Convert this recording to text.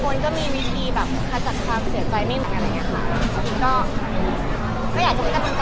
ก็ก็อยากจะไม่ต้องต้องใจเขาอยากจะต้องต้องใจตัวเองดีกว่า